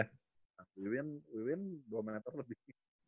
nah wiwin dua meter lebih